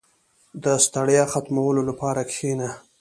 • د ستړیا ختمولو لپاره کښېنه.